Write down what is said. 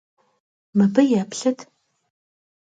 Mıbı yêplhıt!